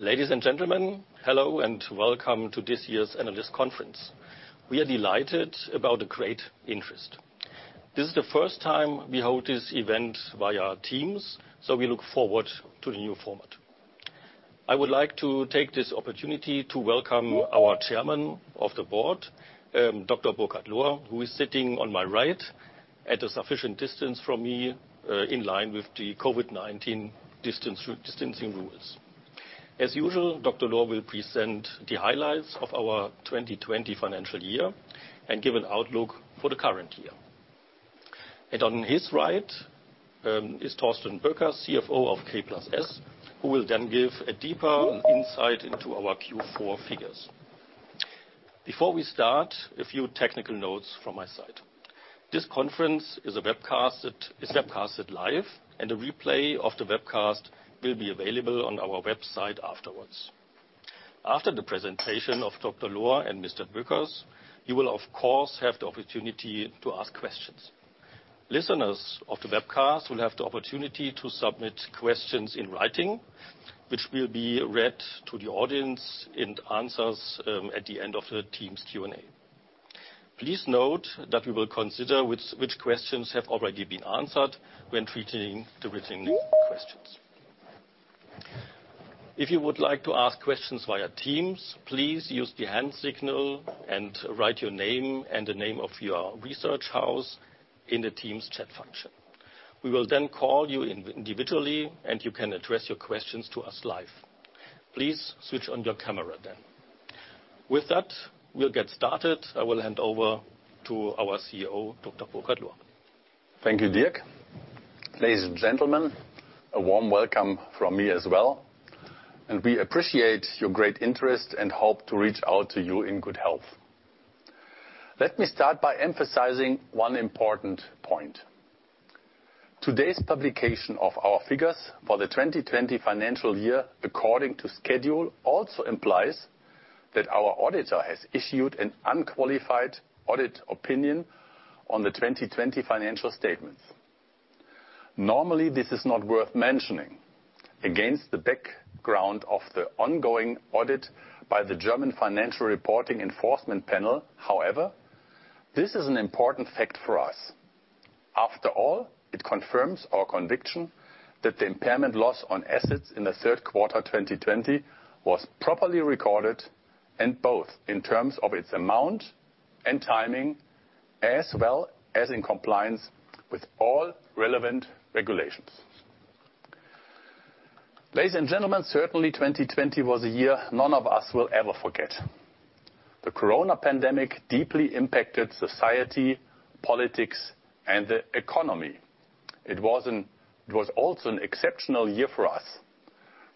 Ladies and gentlemen, hello and welcome to this year's analyst conference. We are delighted about the great interest. This is the first time we hold this event via Teams. We look forward to the new format. I would like to take this opportunity to welcome our Chairman of the Board, Dr. Burkhard Lohr, who is sitting on my right at a sufficient distance from me, in line with the COVID-19 distancing rules. On his right, is Thorsten Boeckers, CFO of K+S, who will then give a deeper insight into our Q4 figures. Before we start, a few technical notes from my side. This conference is webcast live. A replay of the webcast will be available on our website afterwards. After the presentation of Dr. Lohr and Mr. Bueckers, you will, of course, have the opportunity to ask questions. Listeners of the webcast will have the opportunity to submit questions in writing, which will be read to the audience and answers at the end of the Teams Q&A. Please note that we will consider which questions have already been answered when treating the written questions. If you would like to ask questions via Teams, please use the hand signal and write your name and the name of your research house in the Teams chat function. We will then call you individually, and you can address your questions to us live. Please switch on your camera then. With that, we'll get started. I will hand over to our CEO, Dr. Burkhard Lohr. Thank you, Dirk. Ladies and gentlemen, a warm welcome from me as well. We appreciate your great interest and hope to reach out to you in good health. Let me start by emphasizing one important point. Today's publication of our figures for the 2020 financial year according to schedule also implies that our auditor has issued an unqualified audit opinion on the 2020 financial statements. Normally, this is not worth mentioning. Against the background of the ongoing audit by the German Financial Reporting Enforcement Panel, however, this is an important fact for us. After all, it confirms our conviction that the impairment loss on assets in the third quarter 2020 was properly recorded, both in terms of its amount and timing, as well as in compliance with all relevant regulations. Ladies and gentlemen, certainly 2020 was a year none of us will ever forget. The coronavirus pandemic deeply impacted society, politics, and the economy. It was also an exceptional year for us.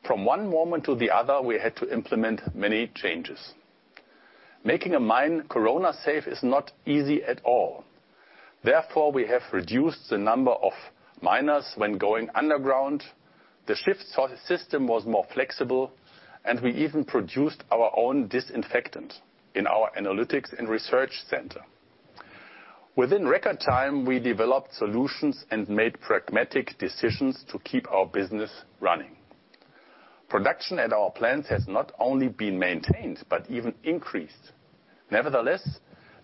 From one moment to the other, we had to implement many changes. Making a mine corona-safe is not easy at all. Therefore, we have reduced the number of miners when going underground. The shift system was more flexible, and we even produced our own disinfectant in our analytics and research center. Within record time, we developed solutions and made pragmatic decisions to keep our business running. Production at our plants has not only been maintained but even increased. Nevertheless,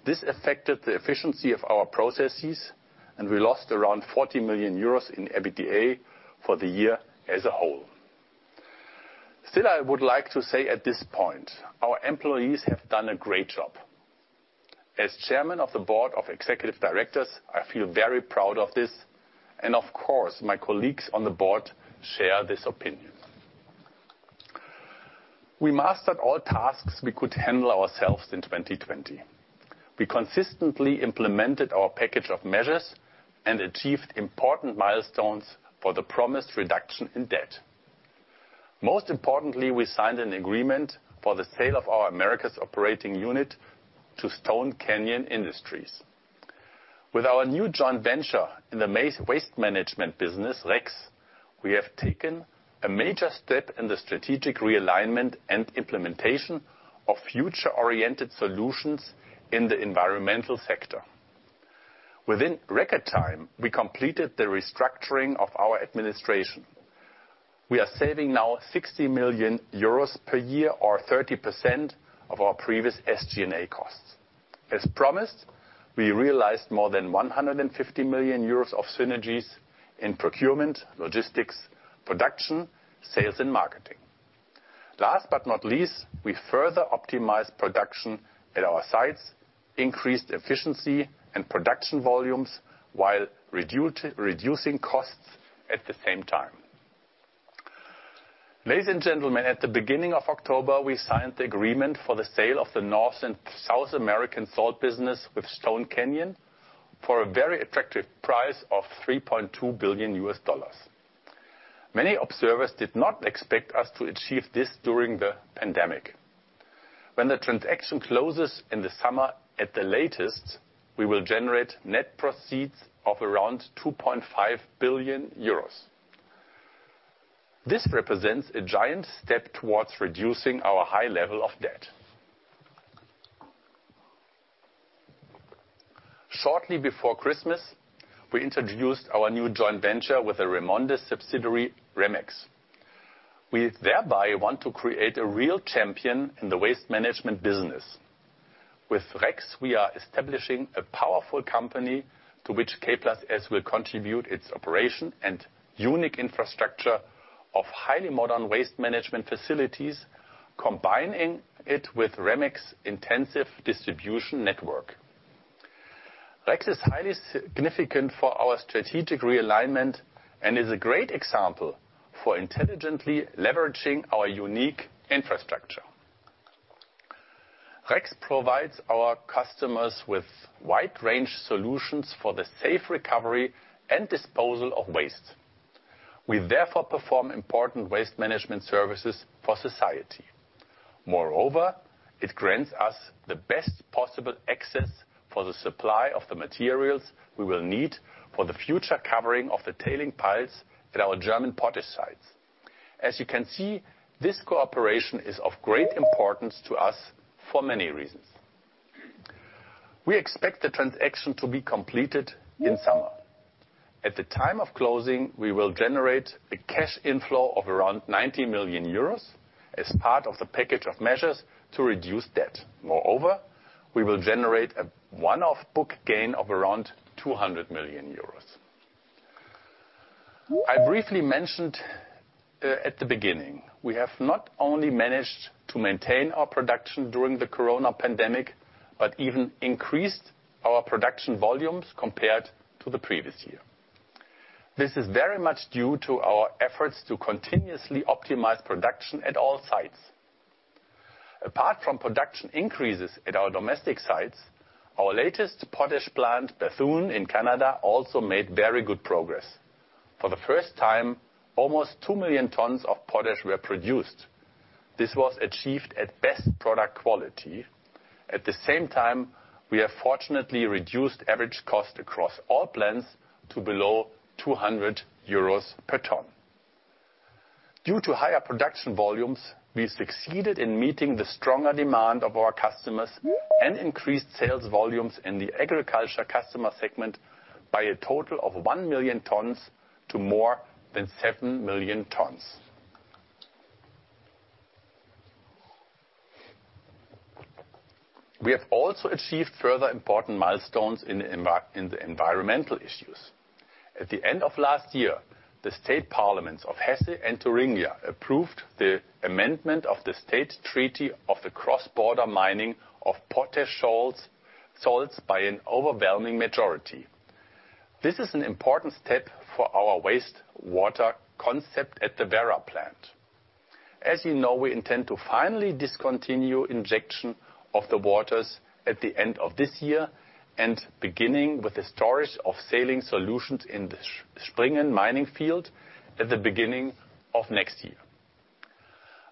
this affected the efficiency of our processes, and we lost around 40 million euros in EBITDA for the year as a whole. Still, I would like to say at this point, our employees have done a great job. As Chairman of the Board of Executive Directors, I feel very proud of this, and of course, my colleagues on the board share this opinion. We mastered all tasks we could handle ourselves in 2020. We consistently implemented our package of measures and achieved important milestones for the promised reduction in debt. Most importantly, we signed an agreement for the sale of our Operating Unit Americas to Stone Canyon Industries. With our new joint venture in the waste management business, REKS, we have taken a major step in the strategic realignment and implementation of future-oriented solutions in the environmental sector. Within record time, we completed the restructuring of our administration. We are saving now 60 million euros per year or 30% of our previous SG&A costs. As promised, we realized more than 150 million euros of synergies in procurement, logistics, production, sales, and marketing. Last but not least, we further optimized production at our sites, increased efficiency and production volumes while reducing costs at the same time. Ladies and gentlemen, at the beginning of October, we signed the agreement for the sale of the North and South American salt business with Stone Canyon for a very attractive price of $3.2 billion. Many observers did not expect us to achieve this during the pandemic. When the transaction closes in the summer at the latest, we will generate net proceeds of around 2.5 billion euros. This represents a giant step towards reducing our high level of debt. Shortly before Christmas, we introduced our new joint venture with a Remondis subsidiary, REMEX. We thereby want to create a real champion in the waste management business. With REKS, we are establishing a powerful company to which K+S will contribute its operation and unique infrastructure of highly modern waste management facilities, combining it with REMEX intensive distribution network. REKS is highly significant for our strategic realignment and is a great example for intelligently leveraging our unique infrastructure. REKS provides our customers with wide range solutions for the safe recovery and disposal of waste. We therefore perform important waste management services for society. Moreover, it grants us the best possible access for the supply of the materials we will need for the future covering of the tailing piles at our German potash sites. As you can see, this cooperation is of great importance to us for many reasons. We expect the transaction to be completed in summer. At the time of closing, we will generate a cash inflow of around €90 million as part of the package of measures to reduce debt. We will generate a one-off book gain of around €200 million. I briefly mentioned at the beginning, we have not only managed to maintain our production during the COVID pandemic, but even increased our production volumes compared to the previous year. This is very much due to our efforts to continuously optimize production at all sites. Production increases at our domestic sites, our latest potash plant, Bethune in Canada, also made very good progress. For the first time, almost 2 million tons of potash were produced. This was achieved at best product quality. We have fortunately reduced average cost across all plants to below €200 per ton. Due to higher production volumes, we succeeded in meeting the stronger demand of our customers and increased sales volumes in the agriculture customer segment by a total of 1 million tons to more than 7 million tons. We have also achieved further important milestones in the environmental issues. At the end of last year, the state parliaments of Hesse and Thuringia approved the amendment of the state treaty of the cross-border mining of potash salts by an overwhelming majority. This is an important step for our wastewater concept at the Werra plant. As you know, we intend to finally discontinue injection of the waters at the end of this year and beginning with the storage of saline solutions in the Springen mining field at the beginning of next year.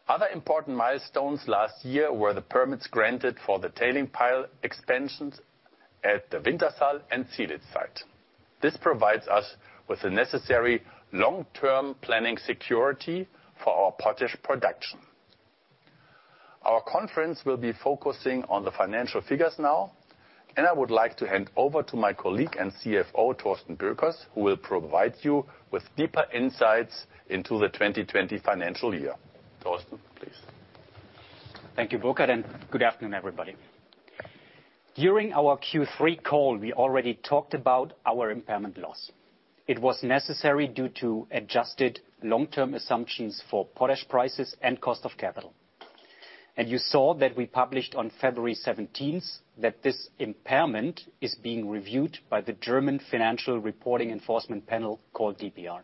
Other important milestones last year were the permits granted for the tailing pile expansions at the Wintershall and Zielitz site. This provides us with the necessary long-term planning security for our potash production. Our conference will be focusing on the financial figures now, and I would like to hand over to my colleague and CFO, Thorsten Boeckers, who will provide you with deeper insights into the 2020 financial year. Thorsten, please. Thank you, Burkhard. Good afternoon, everybody. During our Q3 call, we already talked about our impairment loss. It was necessary due to adjusted long-term assumptions for potash prices and cost of capital. You saw that we published on February 17th that this impairment is being reviewed by the German Financial Reporting Enforcement Panel, called DPR.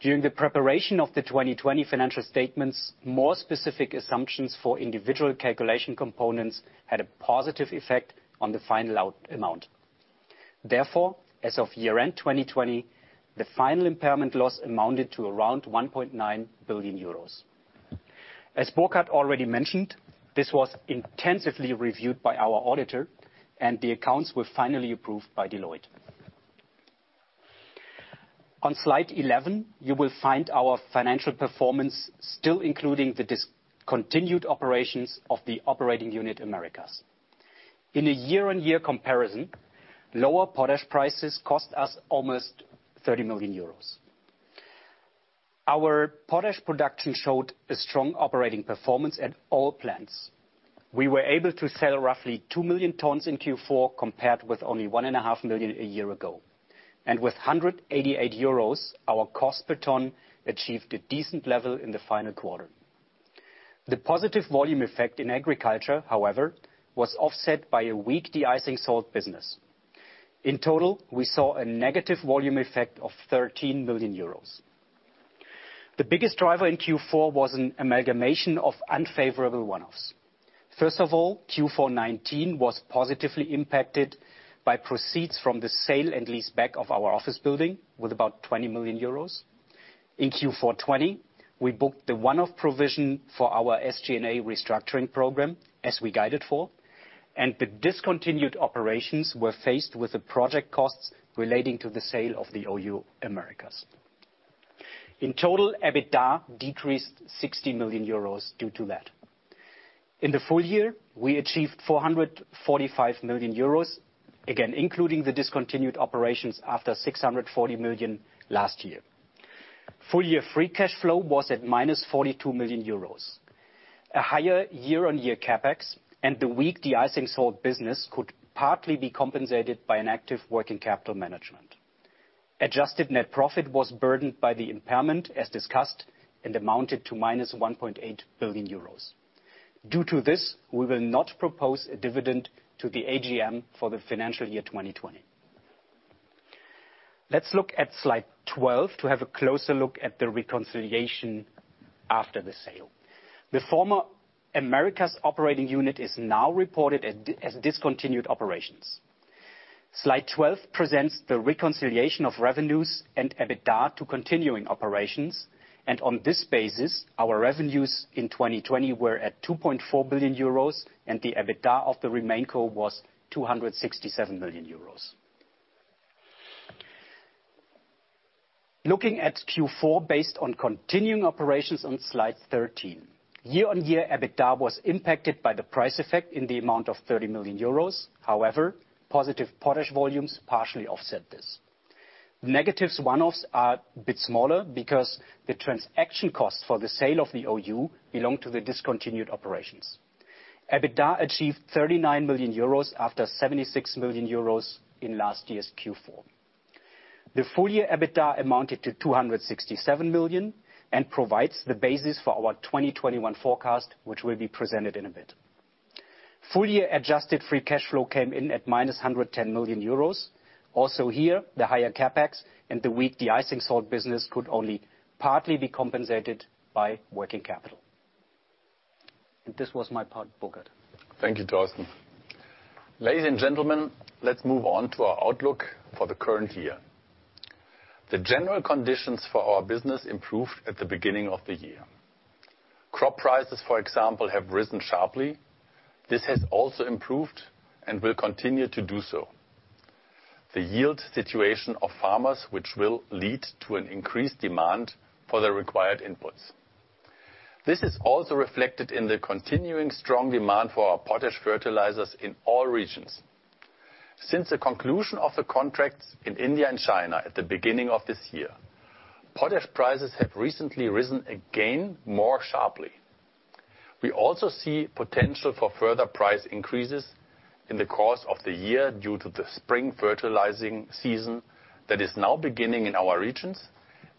During the preparation of the 2020 financial statements, more specific assumptions for individual calculation components had a positive effect on the final amount. Therefore, as of year-end 2020, the final impairment loss amounted to around 1.9 billion euros. As Burkhard already mentioned, this was intensively reviewed by our auditor, and the accounts were finally approved by Deloitte. On slide 11, you will find our financial performance still including the discontinued operations of the Operating Unit Americas. In a year-on-year comparison, lower potash prices cost us almost 30 million euros. Our potash production showed a strong operating performance at all plants. We were able to sell roughly 2 million tons in Q4, compared with only 1.5 million a year ago. With 188 euros, our cost per ton achieved a decent level in the final quarter. The positive volume effect in agriculture, however, was offset by a weak de-icing salt business. In total, we saw a negative volume effect of 13 million euros. The biggest driver in Q4 was an amalgamation of unfavorable one-offs. First of all, Q4 2019 was positively impacted by proceeds from the sale and lease back of our office building with about 20 million euros. In Q4 2020, we booked the one-off provision for our SG&A restructuring program, as we guided for, and the discontinued operations were faced with the project costs relating to the sale of the Operating Unit Americas. In total, EBITDA decreased 60 million euros due to that. In the full- year, we achieved 445 million euros, again, including the discontinued operations after 640 million last year. Full- year free cash flow was at minus 42 million euros. A higher year-on-year CapEx and the weak de-icing salt business could partly be compensated by an active working capital management. Adjusted net profit was burdened by the impairment, as discussed, and amounted to minus 1.8 billion euros. Due to this, we will not propose a dividend to the AGM for the financial year 2020. Let's look at slide 12 to have a closer look at the reconciliation after the sale. The former Operating Unit Americas is now reported as discontinued operations. Slide 12 presents the reconciliation of revenues and EBITDA to continuing operations. On this basis, our revenues in 2020 were at 2.4 billion euros and the EBITDA of the RemainCo was 267 million euros. Looking at Q4 based on continuing operations on slide 13. Year-over-year, EBITDA was impacted by the price effect in the amount of 30 million euros. However, positive potash volumes partially offset this. Negative one-offs are a bit smaller because the transaction cost for the sale of the OU belong to the discontinued operations. EBITDA achieved 39 million euros after 76 million euros in last year's Q4. The full- year EBITDA amounted to 267 million and provides the basis for our 2021 forecast, which will be presented in a bit. Full- year adjusted free cash flow came in at minus 110 million euros. Here, the higher CapEx and the weak de-icing salt business could only partly be compensated by working capital. This was my part, Burkart. Thank you, Thorsten. Ladies and gentlemen, let's move on to our outlook for the current year. The general conditions for our business improved at the beginning of the year. Crop prices, for example, have risen sharply. This has also improved and will continue to do so. The yield situation of farmers, which will lead to an increased demand for the required inputs. This is also reflected in the continuing strong demand for our potash fertilizers in all regions. Since the conclusion of the contracts in India and China at the beginning of this year, potash prices have recently risen again more sharply. We also see potential for further price increases in the course of the year due to the spring fertilizing season that is now beginning in our regions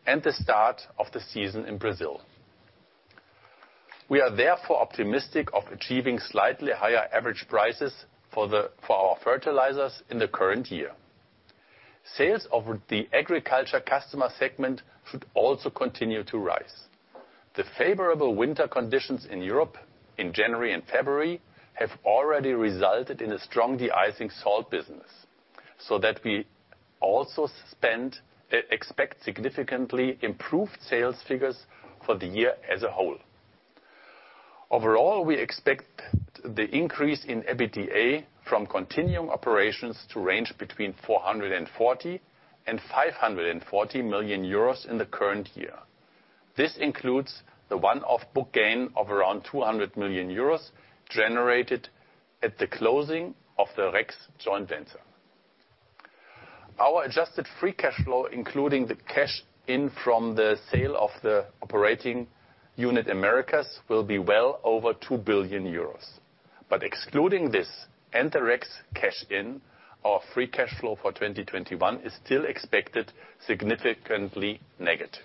and the start of the season in Brazil. We are therefore optimistic of achieving slightly higher average prices for our fertilizers in the current year. Sales of the agriculture customer segment should also continue to rise. The favorable winter conditions in Europe in January and February have already resulted in a strong de-icing salt business, so that we also expect significantly improved sales figures for the year as a whole. Overall, we expect the increase in EBITDA from continuing operations to range between 440 million and 540 million euros in the current year. This includes the one-off book gain of around 200 million euros generated at the closing of the REKS joint venture. Our adjusted free cash flow, including the cash in from the sale of the Operating Unit Americas, will be well over 2 billion euros. Excluding this and the REKS cash in, our free cash flow for 2021 is still expected significantly negative.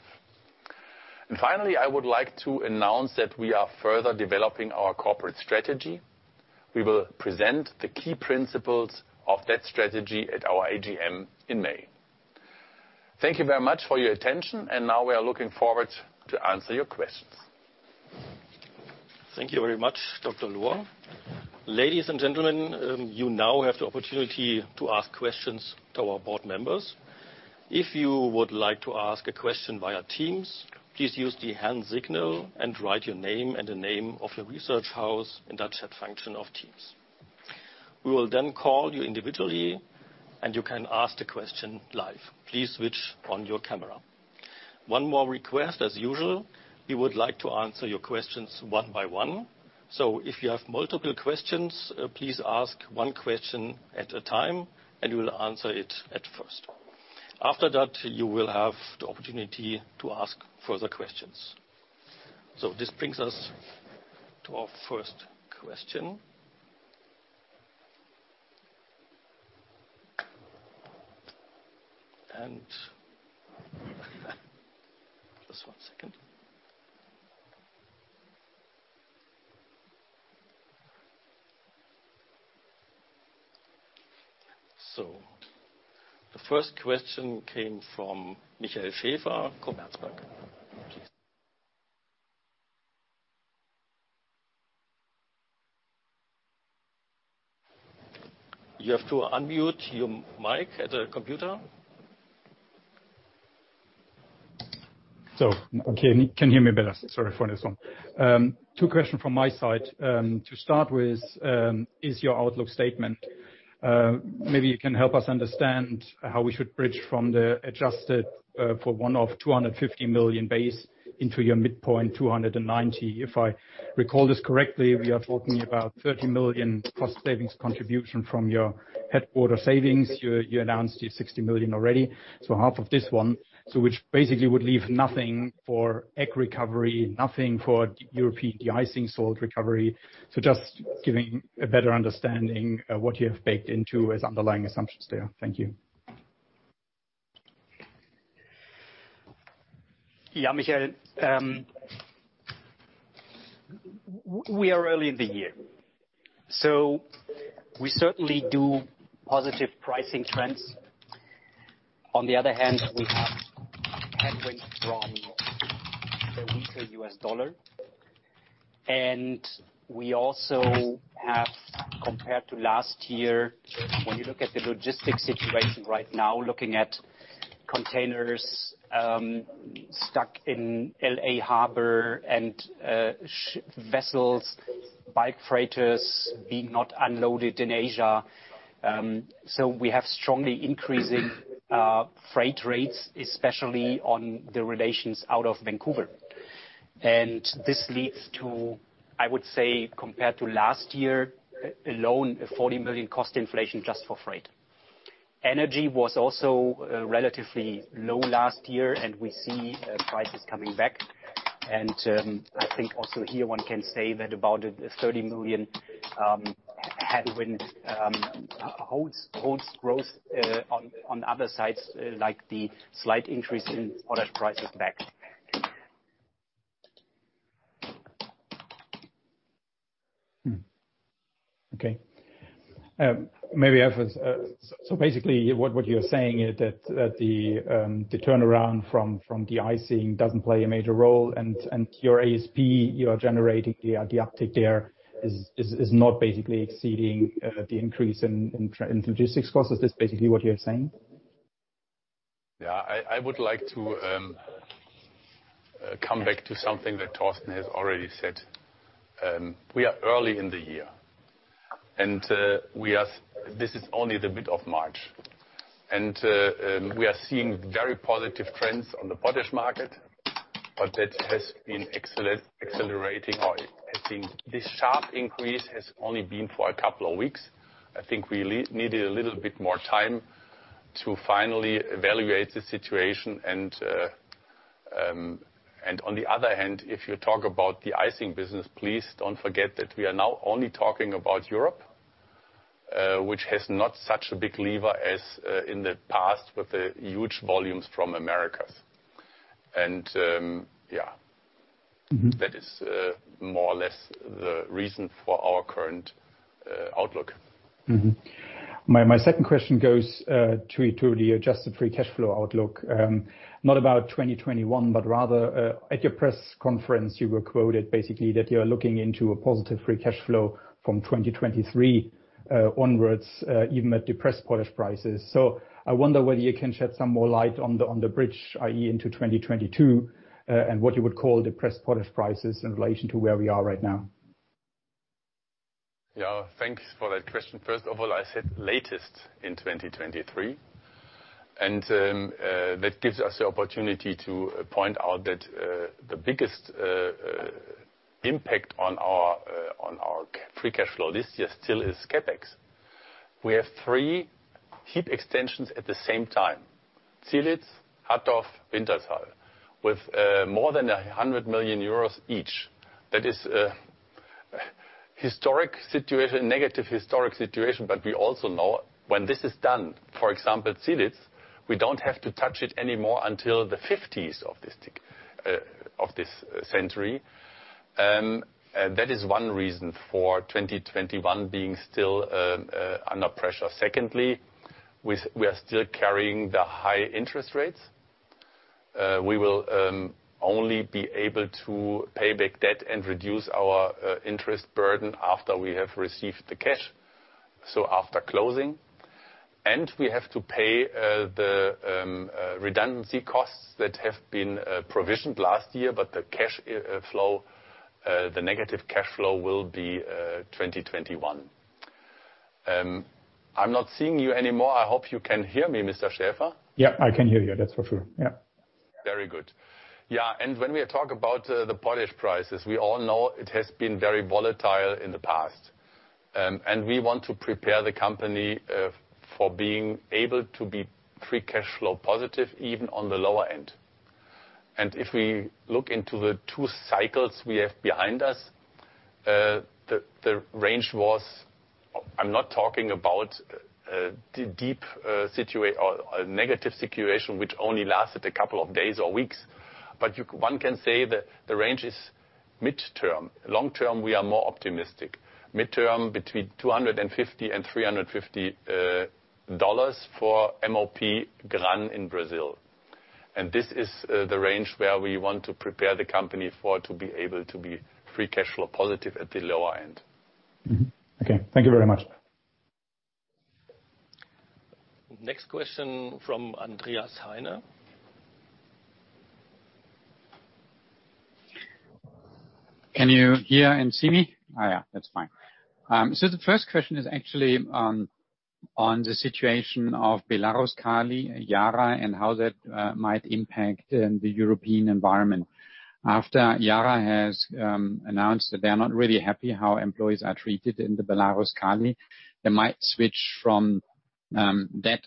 Finally, I would like to announce that we are further developing our corporate strategy. We will present the key principles of that strategy at our AGM in May. Thank you very much for your attention, and now we are looking forward to answer your questions. Thank you very much, Dr. Lohr. Ladies and gentlemen, you now have the opportunity to ask questions to our board members. If you would like to ask a question via Teams, please use the hand signal and write your name and the name of your research house in that chat function of Teams. We will then call you individually, and you can ask the question live. Please switch on your camera. One more request, as usual, we would like to answer your questions one by one. If you have multiple questions, please ask one question at a time, and we will answer it at first. After that, you will have the opportunity to ask further questions. This brings us to our first question. Just one second. The first question came from Michael Schäfer, Commerzbank. You have to unmute your mic at the computer Okay, can you hear me better? Sorry for this one. Two question from my side. To start with, is your outlook statement. Maybe you can help us understand how we should bridge from the adjusted for one-off 250 million base into your midpoint 290 million. If I recall this correctly, we are talking about 30 million cost savings contribution from your headquarter savings. You announced your 60 million already. Half of this one, which basically would leave nothing for ag recovery, nothing for European de-icing salt recovery. Just giving a better understanding of what you have baked into as underlying assumptions there. Thank you. Yeah, Michael. We are early in the year. We certainly do positive pricing trends. On the other hand, we have headwinds from the weaker U.S. dollar, and we also have, compared to last year, when you look at the logistics situation right now, looking at containers stuck in L.A. Harbor and vessels, bulk freighters being not unloaded in Asia. We have strongly increasing freight rates, especially on the relations out of Vancouver. This leads to, I would say, compared to last year, alone, a 40 million cost inflation just for freight. Energy was also relatively low last year, and we see prices coming back, and I think also here one can say that about 30 million headwind holds growth on other sides, like the slight increase in potash prices back. Okay. Basically, what you're saying is that the turnaround from de-icing doesn't play a major role and your ASP, you are generating the uptick there, is not basically exceeding the increase in logistics costs. Is this basically what you're saying? Yeah, I would like to come back to something that Thorsten has already said. We are early in the year. This is only the mid of March. We are seeing very positive trends on the potash market, but that has been accelerating or I think this sharp increase has only been for a couple of weeks. I think we needed a little bit more time to finally evaluate the situation and, on the other hand, if you talk about de-icing business, please don't forget that we are now only talking about Europe, which has not such a big lever as in the past with the huge volumes from Americas. That is more or less the reason for our current outlook. My second question goes to the adjusted free cash flow outlook, not about 2021, but rather at your press conference, you were quoted basically that you're looking into a positive free cash flow from 2023 onwards, even at depressed potash prices. I wonder whether you can shed some more light on the bridge, i.e., into 2022, and what you would call depressed potash prices in relation to where we are right now. Thanks for that question. First of all, I said latest in 2023. That gives us the opportunity to point out that the biggest impact on our free cash flow this year still is CapEx. We have three heap extensions at the same time, Zielitz, Hattorf, Wintershall, with more than 100 million euros each. That is a negative historic situation. We also know when this is done, for example, Zielitz, we don't have to touch it anymore until the '50s of this century. That is one reason for 2021 being still under pressure. Secondly, we are still carrying the high interest rates. We will only be able to pay back debt and reduce our interest burden after we have received the cash. After closing, we have to pay the redundancy costs that have been provisioned last year. The negative cash flow will be 2021. I'm not seeing you anymore. I hope you can hear me, Mr. Schaefer. Yeah, I can hear you, that's for sure. Yeah. Very good. When we talk about the potash prices, we all know it has been very volatile in the past. We want to prepare the company for being able to be free cash flow positive even on the lower end. If we look into the two cycles we have behind us, the range was, I'm not talking about a negative situation, which only lasted a couple of days or weeks, but one can say that the range is midterm. Long-term, we are more optimistic. Midterm, between 250 and EUR 350 for MOP Gran in Brazil. This is the range where we want to prepare the company for it to be able to be free cash flow positive at the lower end. Mm-hmm. Okay. Thank you very much. Next question from Andreas Heine. Can you hear and see me? Yeah, that's fine. The first question is actually on the situation of Belaruskali, Yara, and how that might impact the European environment. After Yara has announced that they are not really happy how employees are treated in the Belaruskali, they might switch from that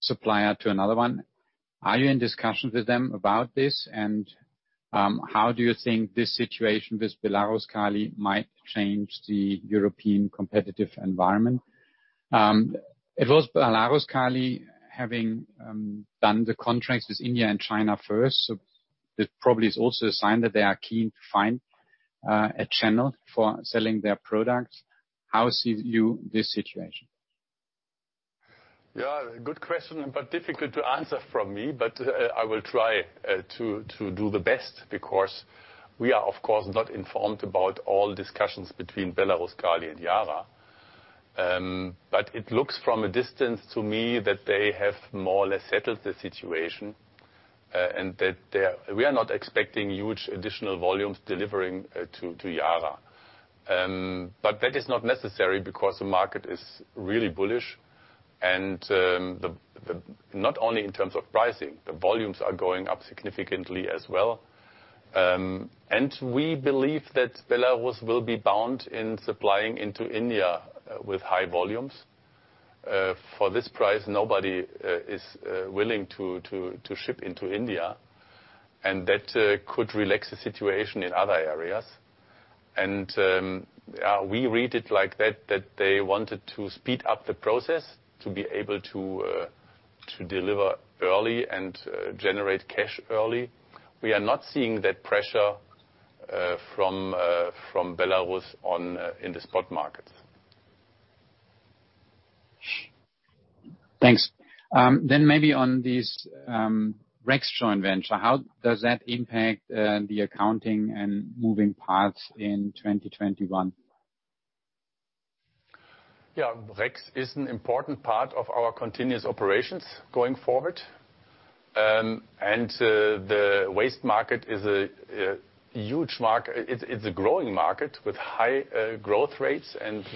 supplier to another one. Are you in discussions with them about this? How do you think this situation with Belaruskali might change the European competitive environment? It was Belaruskali, having done the contracts with India and China first, that probably is also a sign that they are keen to find a channel for selling their products. How see you this situation? Good question, but difficult to answer from me. I will try to do the best, because we are, of course, not informed about all discussions between Belaruskali and Yara. It looks from a distance to me that they have more or less settled the situation, and that we are not expecting huge additional volumes delivering to Yara. That is not necessary, because the market is really bullish. Not only in terms of pricing, the volumes are going up significantly as well. We believe that Belarus will be bound in supplying into India with high volumes. For this price, nobody is willing to ship into India, and that could relax the situation in other areas. We read it like that they wanted to speed up the process to be able to deliver early and generate cash early. We are not seeing that pressure from Belarus in the spot market. Thanks. Maybe on this REKS joint venture, how does that impact the accounting and moving parts in 2021? Yeah. REKS is an important part of our continuous operations going forward. The waste market is a huge market. It's a growing market with high growth rates, and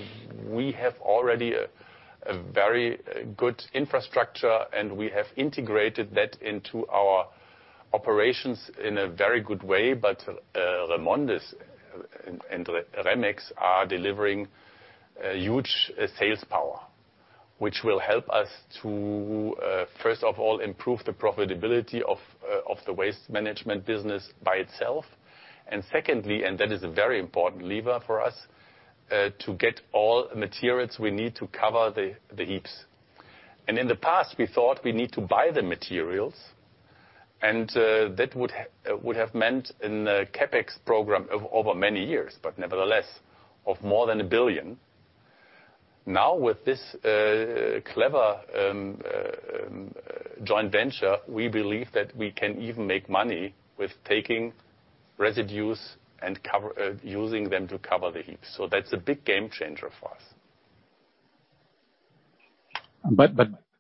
we have already a very good infrastructure, and we have integrated that into our operations in a very good way. Remondis and REMEX are delivering huge sales power, which will help us to, first of all, improve the profitability of the waste management business by itself. Secondly, and that is a very important lever for us, to get all materials we need to cover the heaps. In the past, we thought we need to buy the materials, and that would have meant a CapEx program over many years, but nevertheless, of more than 1 billion. Now with this clever joint venture, we believe that we can even make money with taking residues and using them to cover the heaps. That's a big game changer for us.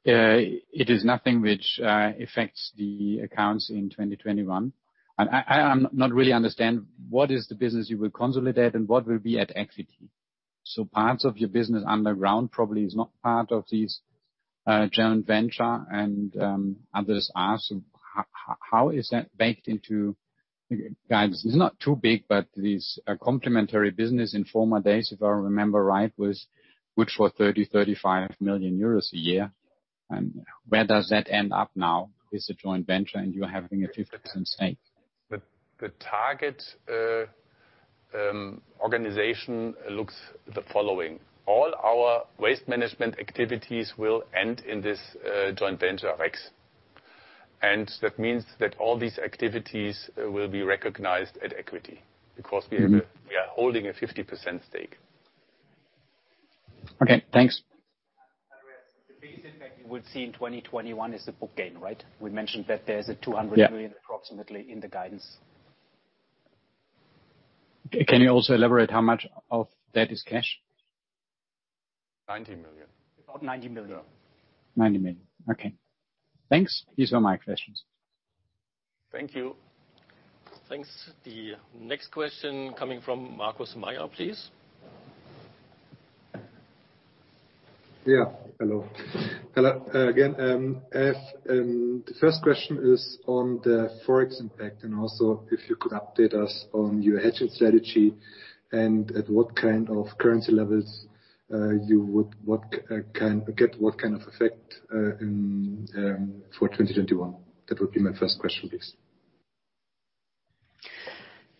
It is nothing which affects the accounts in 2021. I not really understand what is the business you will consolidate and what will be at equity. Parts of your business underground probably is not part of this joint venture and others ask, how is that baked into guidance? It's not too big, but this complementary business in former days, if I remember right, was 30 million, 35 million euros a year. Where does that end up now with the joint venture and you having a 50% stake? The target organization looks the following. All our waste management activities will end in this joint venture of REKS. That means that all these activities will be recognized at equity, because we are holding a 50% stake. Okay, thanks. Andreas, the biggest impact you would see in 2021 is the book gain, right? We mentioned that there's a 200 million- Yeah approximately in the guidance. Can you also elaborate how much of that is cash? 90 million. About 90 million. 90 million. Okay. Thanks. These are my questions. Thank you. Thanks. The next question coming from Markus Mayer, please. Yeah. Hello again. The first question is on the Forex impact, and also if you could update us on your hedging strategy and at what kind of currency levels you would get what kind of effect, for 2021. That would be my first question, please.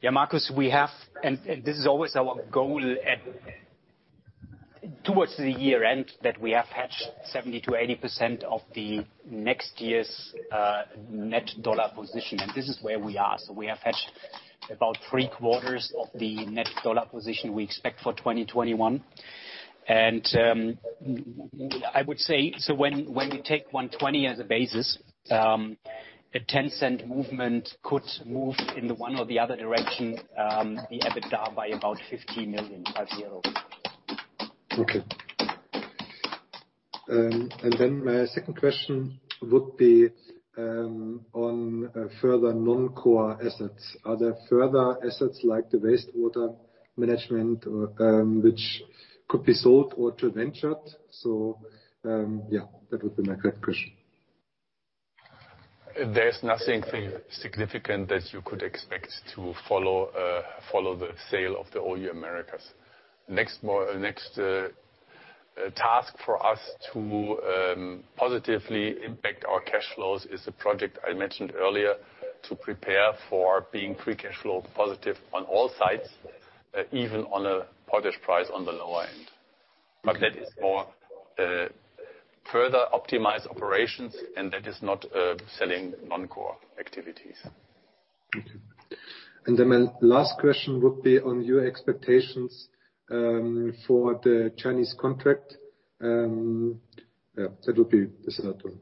Yeah, Markus, we have, this is always our goal towards the year-end, that we have hedged 70%-80% of the next year's net dollar position. This is where we are. We have hedged about three-quarters of the net dollar position we expect for 2021. I would say, when you take 120 as a basis, a $0.10 movement could move in the one or the other direction, the EBITDA by about $15 million as year over. Okay. My second question would be on further non-core assets. Are there further assets like the wastewater management which could be sold or joint ventured? That would be my third question. There's nothing significant that you could expect to follow the sale of the OU Americas. Next task for us to positively impact our cash flows is a project I mentioned earlier, to prepare for being free cash flow positive on all sides, even on a potash price on the lower end. That is more further optimized operations, and that is not selling non-core activities. Thank you. My last question would be on your expectations for the Chinese contract. Yeah, that would be the third one.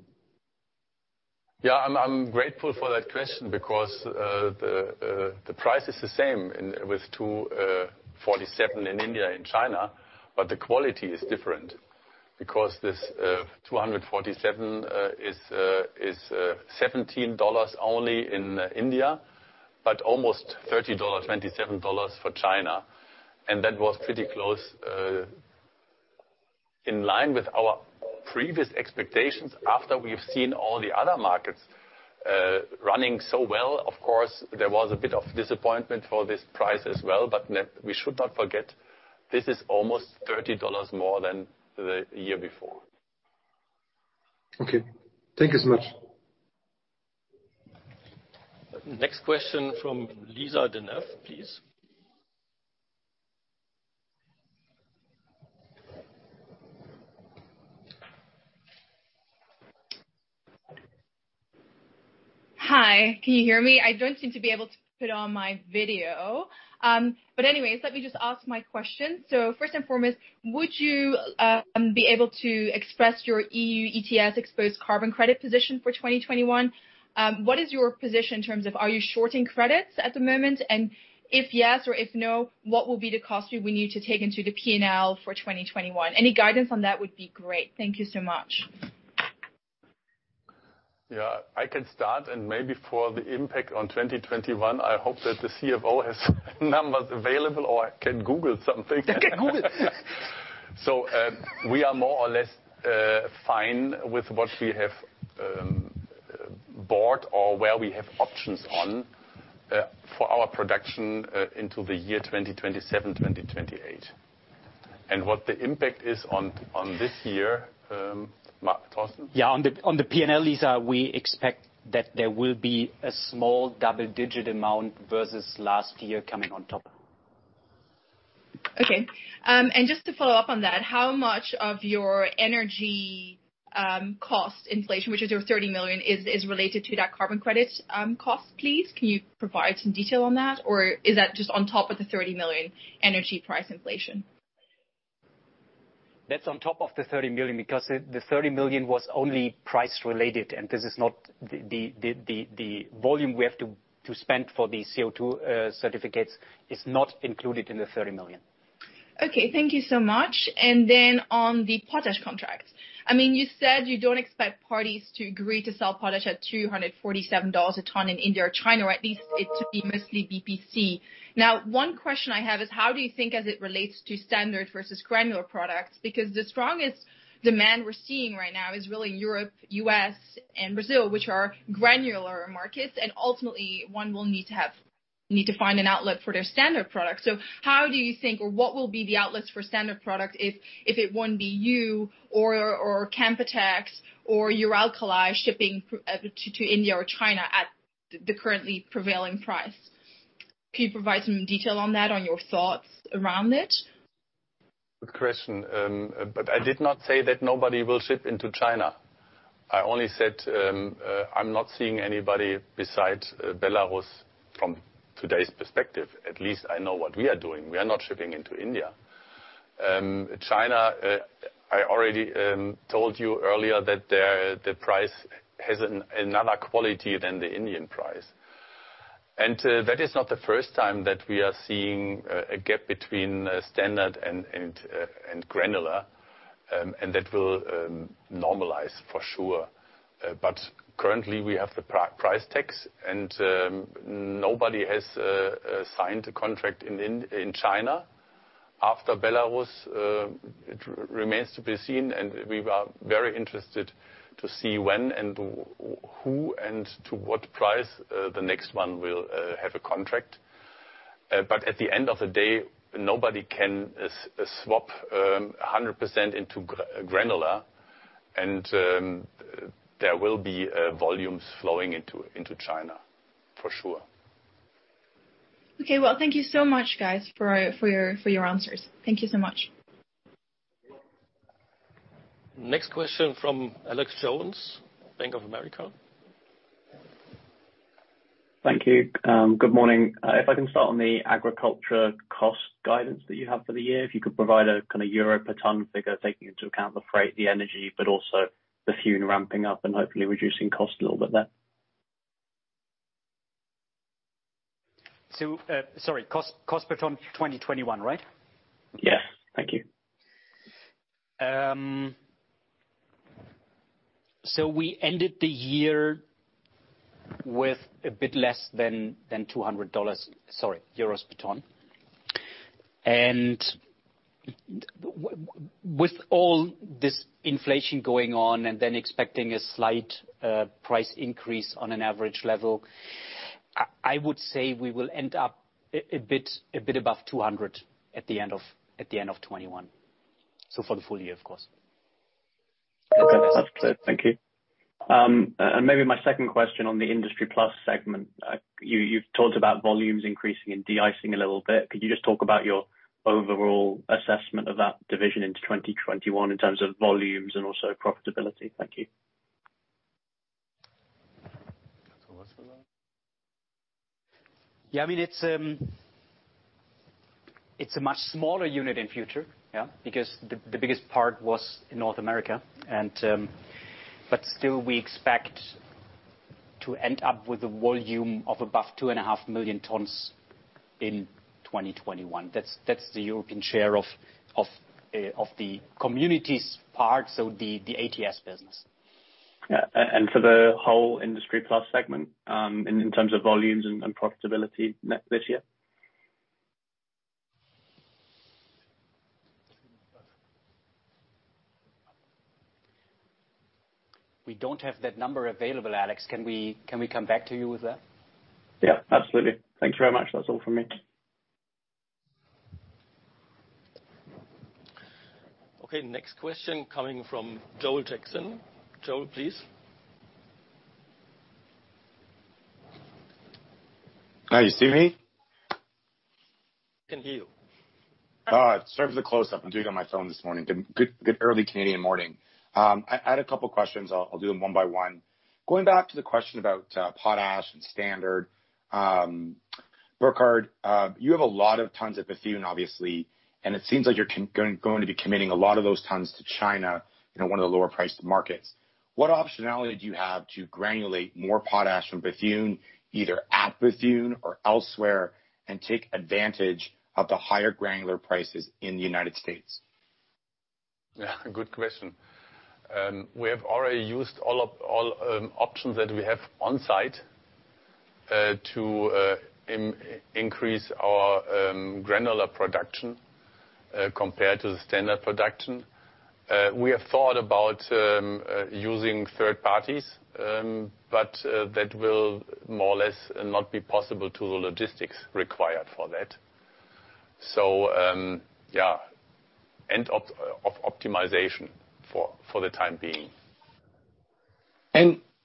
Yeah, I'm grateful for that question because the price is the same with 247 in India, in China, but the quality is different, because this, 247 is EUR 17 only in India, but almost EUR 30, EUR 27 for China. That was pretty close in line with our previous expectations after we've seen all the other markets running so well. Of course, there was a bit of disappointment for this price as well. We should not forget, this is almost EUR 30 more than the year before. Okay. Thank you so much. Next question from Lisa De Neve, please. Hi. Can you hear me? I don't seem to be able to put on my video. Anyways, let me just ask my question. First and foremost, would you be able to express your EU ETS exposed carbon credit position for 2021? What is your position in terms of, are you shorting credits at the moment? If yes or if no, what will be the cost we need to take into the P&L for 2021? Any guidance on that would be great. Thank you so much. Yeah. I can start and maybe for the impact on 2021, I hope that the CFO has numbers available or can Google something. Can Google, yes. We are more or less fine with what we have bought or where we have options on for our production into the year 2027, 2028. What the impact is on this year, Thorsten? Yeah, on the P&L, Lisa, we expect that there will be a small double-digit amount versus last year coming on top. Okay. Just to follow up on that, how much of your energy cost inflation, which is your 30 million, is related to that carbon credit cost, please? Can you provide some detail on that, or is that just on top of the 30 million energy price inflation? That's on top of the 30 million, because the 30 million was only price related, and the volume we have to spend for the CO2 certificates is not included in the 30 million. Okay, thank you so much. On the potash contracts. You said you don't expect parties to agree to sell potash at EUR 247 a ton in India or China, or at least it to be mostly BPC. One question I have is how do you think as it relates to standard versus granular products? The strongest demand we're seeing right now is really Europe, U.S., and Brazil, which are granular markets, and ultimately one will need to find an outlet for their standard product. How do you think, or what will be the outlets for standard product if it won't be you or Canpotex or Uralkali shipping to India or China at the currently prevailing price? Can you provide some detail on that, on your thoughts around it? Good question. I did not say that nobody will ship into China. I only said, I'm not seeing anybody besides Belarus from today's perspective. At least I know what we are doing. We are not shipping into India. China, I already told you earlier that the price has another quality than the Indian price. That is not the first time that we are seeing a gap between standard and granular. That will normalize for sure. Currently we have the price tags, and nobody has signed a contract in China. After Belarus, it remains to be seen, and we are very interested to see when and who and to what price the next one will have a contract. At the end of the day, nobody can swap 100% into granular and there will be volumes flowing into China for sure. Okay, well, thank you so much guys for your answers. Thank you so much. Next question from Alexander Jones, Bank of America. Thank you. Good morning. If I can start on the agriculture cost guidance that you have for the year, if you could provide a EUR per ton figure, taking into account the freight, the energy, but also the Bethune ramping up and hopefully reducing cost a little bit there. Sorry, cost per ton for 2021, right? Yeah. Thank you. We ended the year with a bit less than EUR 200. Sorry, euros per ton. With all this inflation going on and then expecting a slight price increase on an average level, I would say we will end up a bit above 200 at the end of 2021. For the full year, of course. Okay. That's clear. Thank you. Maybe my second question on the Industry+ segment. You've talked about volumes increasing and de-icing a little bit. Could you just talk about your overall assessment of that division into 2021 in terms of volumes and also profitability? Thank you. What's the last? Yeah, it's a much smaller unit in future. The biggest part was in North America. Still, we expect to end up with a volume of above two and a half million tons in 2021. That's the European share of the Communities part, so the ATS business. Yeah. For the whole Industry+ segment, in terms of volumes and profitability this year? We don't have that number available, Alex. Can we come back to you with that? Yeah, absolutely. Thank you very much. That's all from me. Okay, next question coming from Joel Jackson. Joel, please. Hi, you see me? Can hear you. All right. Sorry for the close-up. I'm doing it on my phone this morning. Good early Canadian morning. I had a couple questions. I'll do them one by one. Going back to the question about potash and standard. Burkhard, you have a lot of tons at Bethune, obviously, and it seems like you're going to be committing a lot of those tons to China, one of the lower priced markets. What optionality do you have to granulate more potash from Bethune, either at Bethune or elsewhere, and take advantage of the higher granular prices in the United States? Yeah, good question. We have already used all options that we have on site to increase our granular production compared to the standard production. We have thought about using third parties, that will more or less not be possible to the logistics required for that. Yeah, end of optimization for the time being.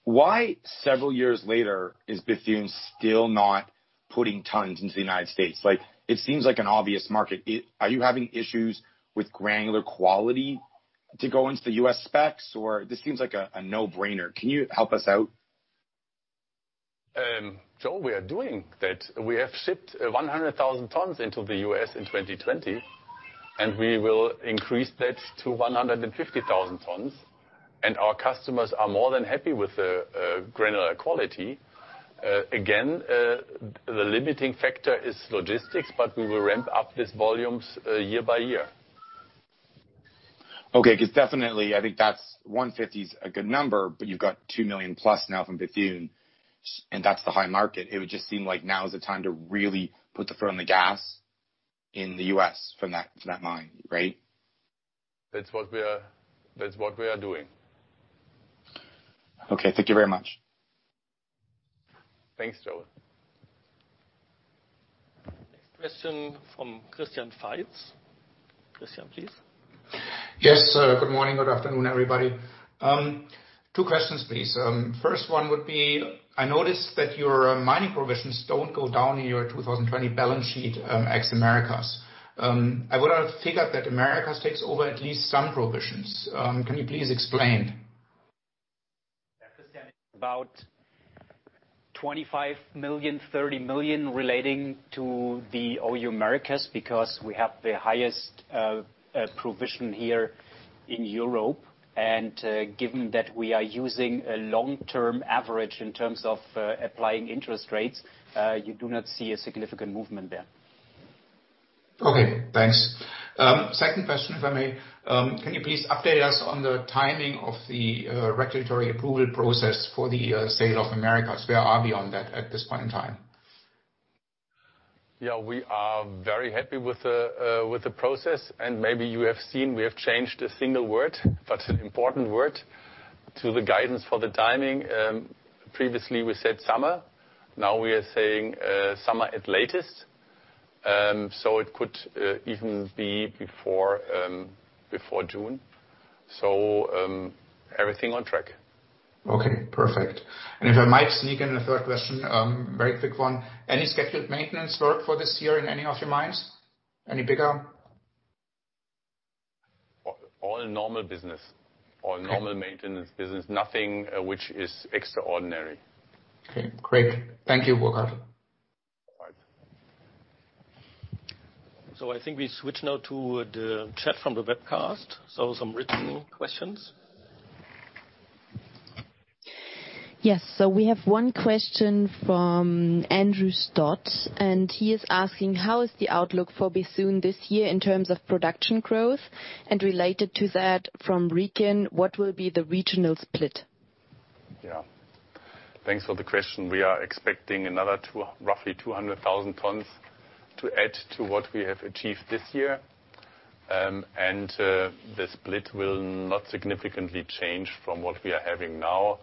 Why, several years later, is Bethune still not putting tons into the United States? It seems like an obvious market. Are you having issues with granular quality to go into the U.S. specs? This seems like a no-brainer. Can you help us out? Joel, we are doing that. We have shipped 100,000 tons into the U.S. in 2020, and we will increase that to 150,000 tons. Our customers are more than happy with the granular quality. Again, the limiting factor is logistics, but we will ramp up these volumes year- by year. definitely, I think 150 is a good number, but you've got 2 million plus now from Bethune, and that's the high market. It would just seem like now is the time to really put the foot on the gas in the U.S. from that mine, right? That's what we are doing. Okay. Thank you very much. Thanks, Joel. Next question from Christian Faitz. Christian, please. Yes. Good morning. Good afternoon, everybody. Two questions, please. First one would be, I noticed that your mining provisions don't go down in your 2020 balance sheet, ex-Americas. I would have figured that Americas takes over at least some provisions. Can you please explain? Yeah, Christian, about 25 million, 30 million relating to the OU Americas because we have the highest provision here in Europe. Given that we are using a long-term average in terms of applying interest rates, you do not see a significant movement there. Okay, thanks. Second question, if I may. Can you please update us on the timing of the regulatory approval process for the sale of Americas? Where are we on that at this point in time? Yeah. We are very happy with the process. Maybe you have seen, we have changed a single word, but an important word, to the guidance for the timing. Previously, we said summer. Now we are saying summer at latest. It could even be before June. Everything on track. Okay, perfect. If I might sneak in a third question, very quick one. Any scheduled maintenance work for this year in any of your mines? Any bigger? All normal business or normal maintenance business, nothing which is extraordinary. Okay, great. Thank you, Burkhard. All right. I think we switch now to the chat from the webcast. Some written questions. Yes. We have one question from Andrew Stott, he is asking, how is the outlook for Bethune this year in terms of production growth? Related to that, from Rikin, what will be the regional split? Yeah. Thanks for the question. We are expecting another roughly 200,000 tons to add to what we have achieved this year. The split will not significantly change from what we are having now.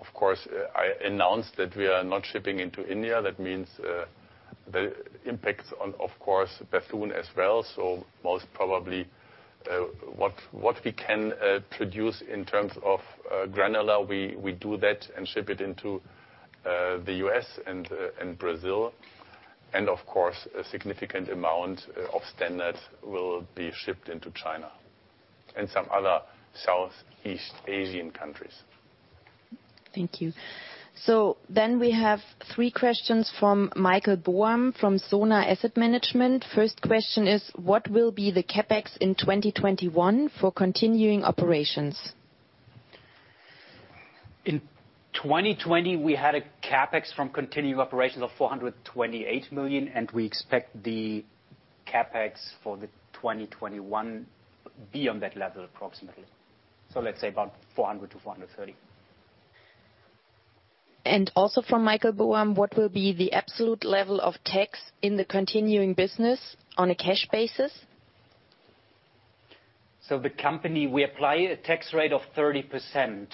Of course, I announced that we are not shipping into India. That means the impact on, of course, Bethune as well. Most probably, what we can produce in terms of granular, we do that and ship it into the U.S. and Brazil. Of course, a significant amount of standard will be shipped into China and some other Southeast Asian countries. Thank you. We have three questions from Michael Boam from SONA Asset Management. First question is: what will be the CapEx in 2021 for continuing operations? In 2020, we had a CapEx from continuing operations of 428 million. We expect the CapEx for the 2021 be on that level approximately. Let's say about 400 million-430 million. Also from Michael Boam, what will be the absolute level of tax in the continuing business on a cash basis? The company, we apply a tax rate of 30%,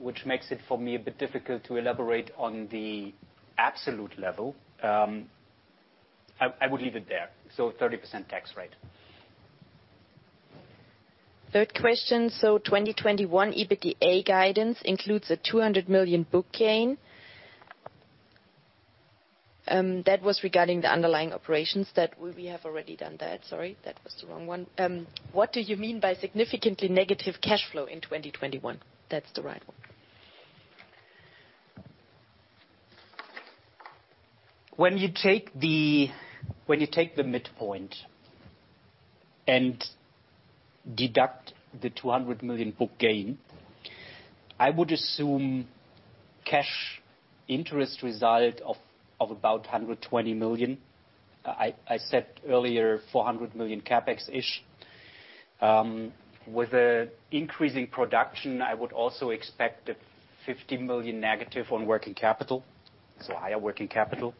which makes it for me a bit difficult to elaborate on the absolute level. I would leave it there, 30% tax rate. Third question, 2021 EBITDA guidance includes a 200 million book gain. That was regarding the underlying operations that we have already done that. Sorry, that was the wrong one. What do you mean by significantly negative cash flow in 2021? That's the right one. When you take the midpoint and deduct the 200 million book gain, I would assume cash interest result of about 120 million. I said earlier 400 million CapEx-ish. With the increasing production, I would also expect a 50 million negative on working capital, so higher working capital.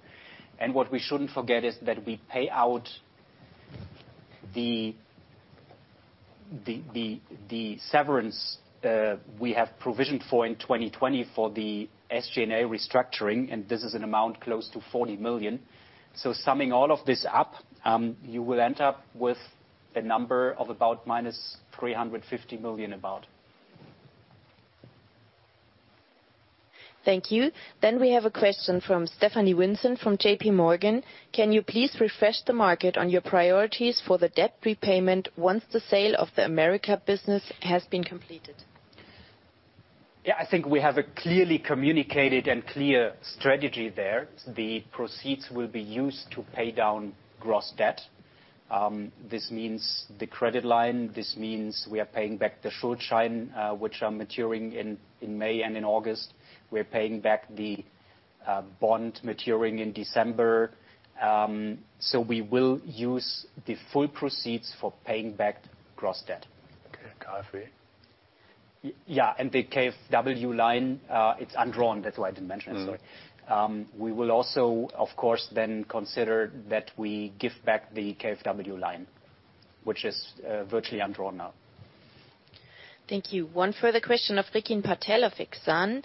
What we shouldn't forget is that we pay out the severance we have provisioned for in 2020 for the SG&A restructuring, and this is an amount close to 40 million. Summing all of this up, you will end up with a number of about minus 350 million about. Thank you. We have a question from Stephanie Winston from JP Morgan. Can you please refresh the market on your priorities for the debt repayment once the sale of the Americas business has been completed? Yeah, I think we have a clearly communicated and clear strategy there. The proceeds will be used to pay down gross debt. This means the credit line, this means we are paying back the Schuldschein, which are maturing in May and in August. We're paying back the bond maturing in December. We will use the full proceeds for paying back gross debt. Okay, got it. Yeah, the KfW line, it's undrawn. That's why I didn't mention it, sorry. We will also, of course, then consider that we give back the KfW line, which is virtually undrawn now. Thank you. One further question of Rikin Patel of Exane.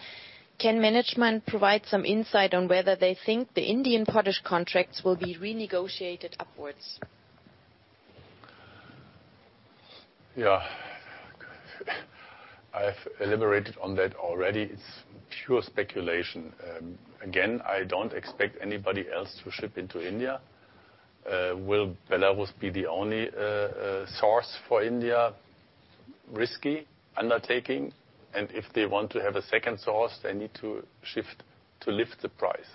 Can management provide some insight on whether they think the Indian potash contracts will be renegotiated upwards? Yeah. I've elaborated on that already. It's pure speculation. Again, I don't expect anybody else to ship into India. Will Belarus be the only source for India? Risky undertaking, and if they want to have a second source, they need to shift to lift the price.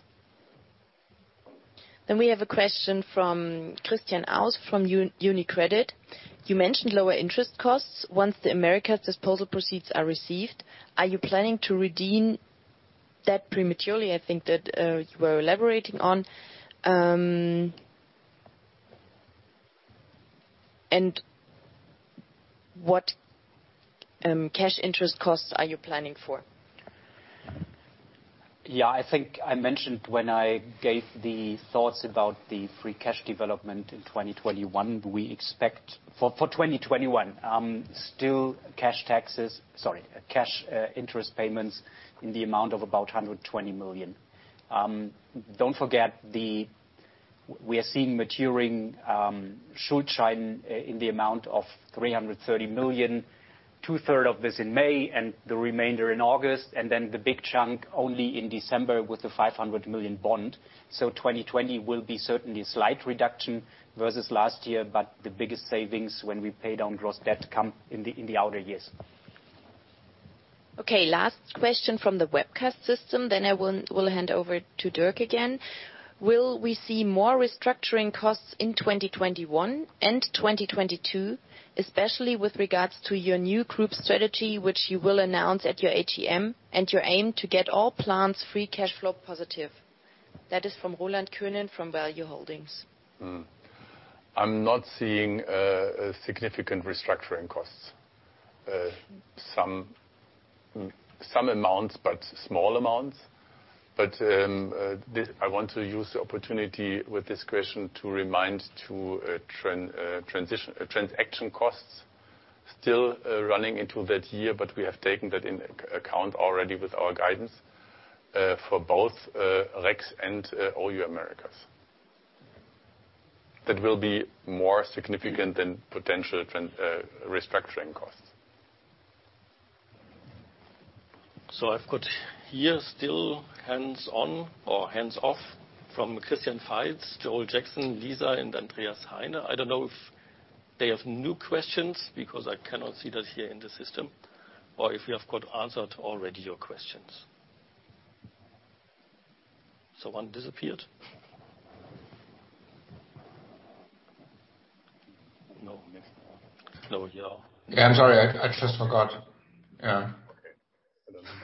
We have a question from Christian Faitz from UniCredit. You mentioned lower interest costs once the Americas disposal proceeds are received. Are you planning to redeem that prematurely? I think that you were elaborating on. What cash interest costs are you planning for? Yeah, I think I mentioned when I gave the thoughts about the free cash development in 2021, we expect for 2021, still cash interest payments in the amount of about 120 million. Don't forget we are seeing maturing Schuldschein in the amount of 330 million. Two third of this in May and the remainder in August, and then the big chunk only in December with the 500 million bond. 2020 will be certainly a slight reduction versus last year, but the biggest savings when we pay down gross debt come in the outer years. Okay. Last question from the webcast system, I will hand over to Dirk again. Will we see more restructuring costs in 2021 and 2022, especially with regards to your new group strategy, which you will announce at your AGM and your aim to get all plants free cash flow positive? That is from Roland Könen from Value Holdings. I'm not seeing a significant restructuring costs. Some amounts, but small amounts. I want to use the opportunity with this question to remind of transaction costs still running into that year, but we have taken that into account already with our guidance for both REKS and OU Americas. That will be more significant than potential restructuring costs. I've got here still hands on or hands off from Christian Faitz, Joel Jackson, Lisa, and Andreas Heine. I don't know if they have new questions because I cannot see that here in the system, or if we have got answered already your questions. One disappeared? No, next. No here. Yeah, I'm sorry. I just forgot. Yeah.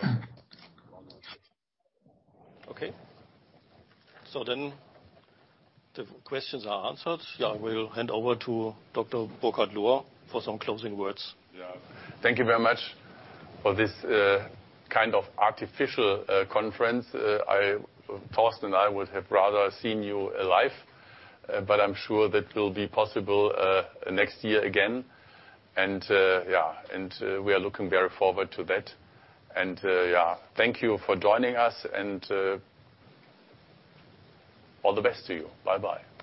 Okay. Okay. The questions are answered. Yeah, we'll hand over to Dr. Burkhard Lohr for some closing words. Thank you very much for this kind of artificial conference. Thorsten and I would have rather seen you live. I'm sure that will be possible next year again. We are looking very forward to that. Thank you for joining us, and all the best to you. Bye-bye. Bye.